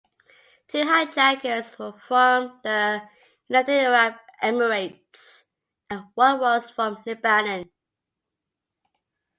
Two hijackers were from the United Arab Emirates, and one was from Lebanon.